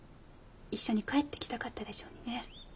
一緒に帰ってきたかったでしょうにね。